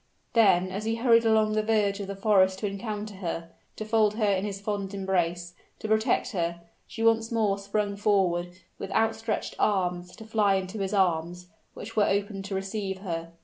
Then, as he hurried along the verge of the forest to encounter her to fold her in his fond embrace to protect her, she once more sprung forward, with outstretched arms, to fly into his arms, which were open to receive her.